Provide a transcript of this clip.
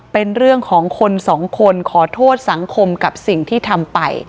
เป็นเรื่องของคนสองคนขอโทษสังคมกับสิ่งที่ทำไป